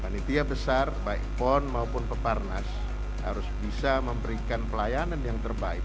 panitia besar baik pon maupun peparnas harus bisa memberikan pelayanan yang terbaik